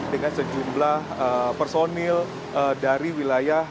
dengan sejumlah personil dari wilayah